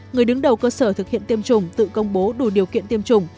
người đứng đầu cơ sở thực hiện tiêm chủng tự công bố đủ điều kiện tiêm chủng